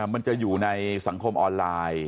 มันจะอยู่ในสังคมออนไลน์